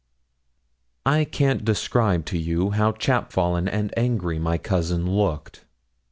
I can't describe to you how chapfallen and angry my cousin looked.